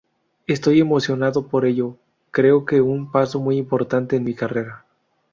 Estoy emocionado por ello, creo que un paso muy importante en mi carrera".